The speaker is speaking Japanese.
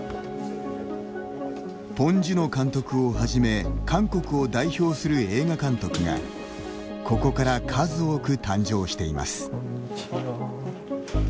ポン・ジュノ監督をはじめ韓国を代表する映画監督がここから数多く誕生しています。